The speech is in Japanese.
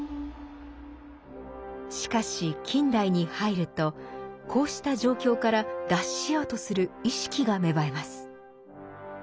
しかし近代に入るとこうした状況から脱しようとする意識が芽生えます。